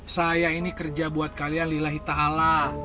saya ini kerja buat kalian lillahi ta'ala